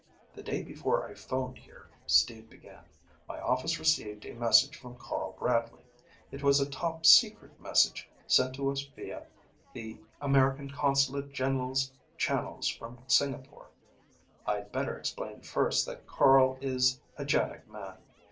"The day before I phoned here," Steve began, "my office received a message from Carl Bradley. It was a top secret message sent to us via the American consulate general's channels from Singapore. I'd better explain first that Carl is a JANIG man.